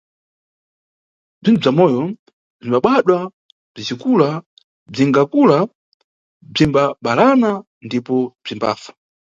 Bzinthu bza moyo bzimbabadwa bzicikula, bzingakula, bzimbabalana ndipo bzimbafa.